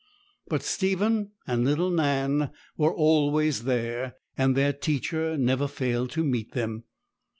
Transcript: But Stephen and little Nan were always there, and their teacher never failed to meet them.